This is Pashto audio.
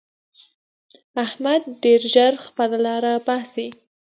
احمد ډېر ژر خپله لاره باسي.